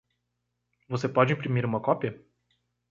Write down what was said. Você pode imprimir uma cópia?